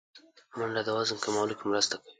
منډه د وزن کمولو کې مرسته کوي